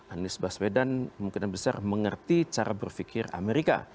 anies baswedan mungkin besar mengerti cara berfikir amerika